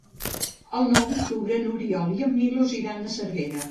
El nou d'octubre n'Oriol i en Milos iran a Cervera.